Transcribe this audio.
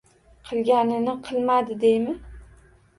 Qilganini qilmadi deymi?